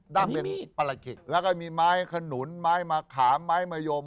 ดำเป็นปลารกิแล้วก็มีไม้ขนุนไม้มะขามไม้มะยม